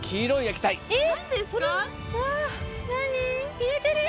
入れてるよ！